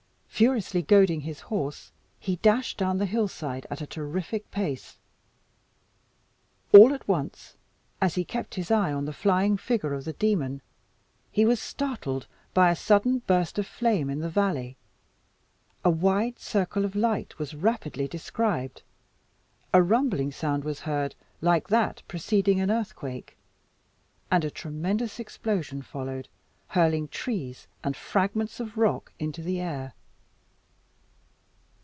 Furiously goading his horse, he dashed down the hillside at a terrific pace. All at once, as he kept his eye on the flying figure of the demon, he was startled by a sudden burst of flame in the valley. A wide circle of light was rapidly described, a rumbling sound was heard like that preceding an earth quake, and a tremendous explosion followed, hurling trees and fragments of rock into the air.